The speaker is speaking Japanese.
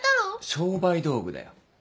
商売道具だよ。